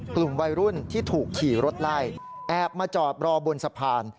กลุ่มวัยรุ่นที่ถูกขี่รถไล่แอบมาจอดรอบนสะพาน